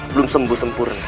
belum sembuh sempurna